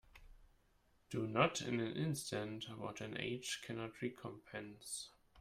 Do not in an instant what an age cannot recompense.